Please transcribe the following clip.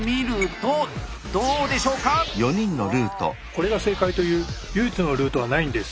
これが正解という唯一のルートはないんです。